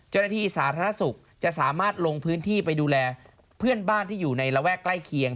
เจ้าหน้าที่สาธารณสุขจะสามารถลงพื้นที่ไปดูแลเพื่อนบ้านที่อยู่ในระแวกใกล้เคียง